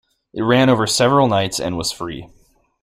It ran over several nights and was free.